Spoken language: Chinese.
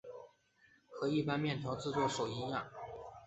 和一般面条制作手一样。